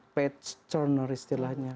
page turner istilahnya